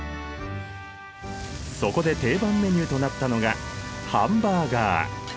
そこで定番メニューとなったのがハンバーガー。